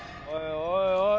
おいおい